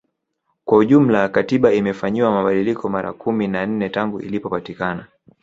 Kwa ujumla Katiba imefanyiwa mabadiliko mara kumi na nne tangu ilipopatikana